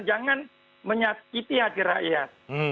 jangan menyakiti hati rakyat